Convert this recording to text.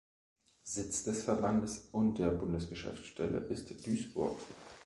Sitz des Verbandes und der Bundesgeschäftsstelle ist Duisburg.